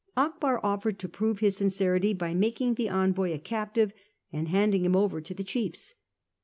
Akbar offered to prove his sincerity by making the envoy a captive and handing him over to the chiefs.